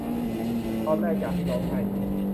ตอนแรกจากที่ร้องให้